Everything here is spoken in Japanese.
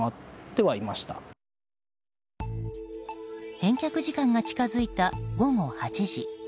返却時間が近づいた午後８時。